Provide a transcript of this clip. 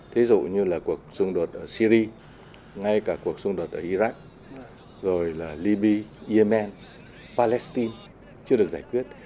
thí dụ như là cuộc xung đột ở syri ngay cả cuộc xung đột ở iraq rồi là libya yemen palestine chưa được giải quyết